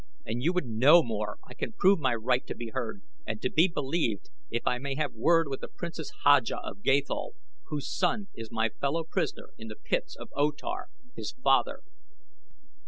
And you would know more, I can prove my right to be heard and to be believed if I may have word with the Princess Haja of Gathol, whose son is my fellow prisoner in the pits of O Tar, his father."